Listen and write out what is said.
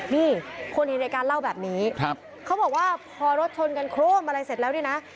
นี่คนเห็นในการเล่าแบบนี้เขาบอกว่าพอรถชนกันโครมอะไรเสร็จแล้วเนี่ยนะ